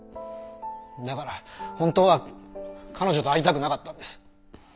だから本当は彼女と会いたくなかったんです。